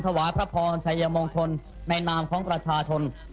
ถวายพระพรชัยมงคลในนามของประชาชน